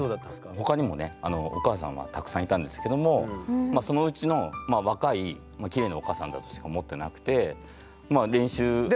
他にもねお母さんはたくさんいたんですけどもそのうちの若いキレイなお母さんだとしか思ってなくて練習。